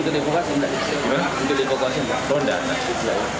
terus nafikan disini